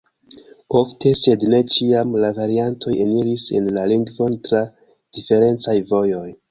Ofte, sed ne ĉiam, la variantoj eniris en la lingvon tra diferencaj vojoj.